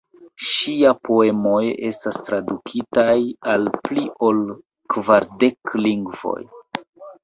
Ŝia poemoj estas tradukitaj al pli ol kvardek lingvoj.